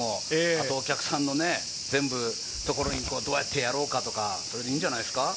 あとお客さんも全部どうやってやろうか、それでいいんじゃないですか？